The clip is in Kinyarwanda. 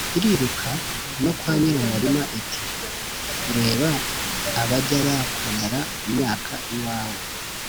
iriruka no kwa nyiri umurima iti: “kureba abajya bakonera imyaka yawe